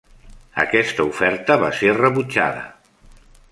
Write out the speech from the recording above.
Aquesta oferta va ser rebutjada.